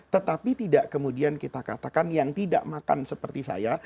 tetapi tidak kemudian kita katakan yang tidak makan seperti saya